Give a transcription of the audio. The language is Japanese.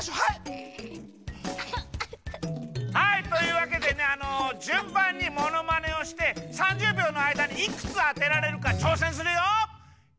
はいというわけでねあのじゅんばんにものまねをして３０びょうのあいだにいくつあてられるかちょうせんするよ！